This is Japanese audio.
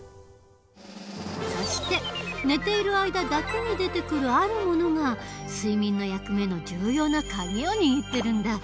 そして寝ている間だけに出てくるあるものが睡眠の役目の重要な鍵を握ってるんだ。